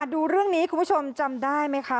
ดูเรื่องนี้คุณผู้ชมจำได้ไหมคะ